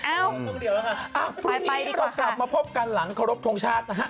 เอ้าไปดีกว่าค่ะพรุ่งนี้ก็กลับมาพบกันหลังขอรบทรงชาตินะฮะ